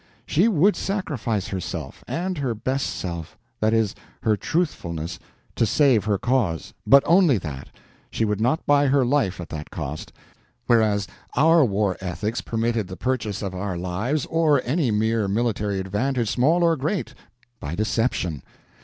She would sacrifice herself—and her best self; that is, her truthfulness—to save her cause; but only that; she would not buy her life at that cost; whereas our war ethics permitted the purchase of our lives, or any mere military advantage, small or great, by deception.